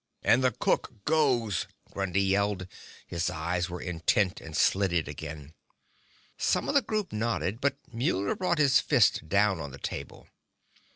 "And the cook goes," Grundy yelled. His eyes were intent and slitted again. Some of both groups nodded, but Muller brought his fist down on the table.